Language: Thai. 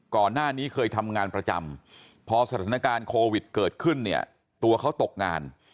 ก่อนหน้านี้เคยทำงานประจำพอสถานการณ์โควิดเกิดขึ้นเนี่ยตัวเขาตกงาน